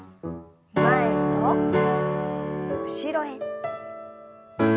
前と後ろへ。